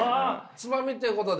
つまみってことで。